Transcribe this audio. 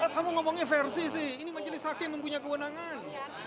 kamu ngomongnya versi sih ini majelis hakim mempunyai kewenangan